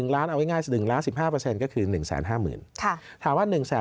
๑ล้านเอาง่าย๑ล้าน๑๕ก็คือ๑๕๐๐๐๐๐บาท